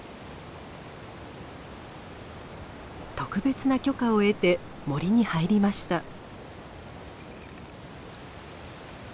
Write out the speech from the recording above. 特別な許可を得て森に入りました。